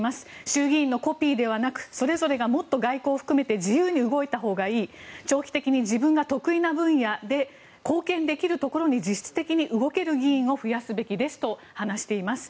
衆議院のコピーではなくそれぞれがもっと外交を含めて自由に動いたほうがいい長期的に自分が得意な分野で貢献できるところに実質的に動ける議員を増やすべきですと話しています。